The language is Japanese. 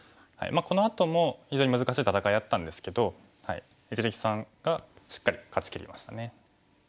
このあとも非常に難しい戦いだったんですけど一力さんがしっかり勝ちきりましたね。